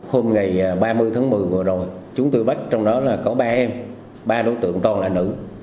hôm ngày ba mươi tháng một mươi vừa rồi chúng tôi bắt trong đó là có ba em ba đối tượng còn là nữ